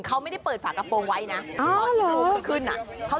เขาไม่ได้เปิดฝากกระโปรงไว้นะ